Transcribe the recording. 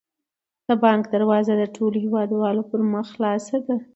د بانک دروازه د ټولو هیوادوالو پر مخ خلاصه ده.